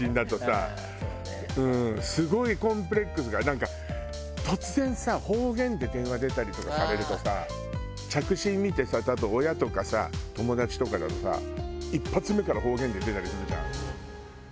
なんか突然さ方言で電話出たりとかされるとさ着信見てさ多分親とか友達とかだとさ一発目から方言で出たりするじゃん。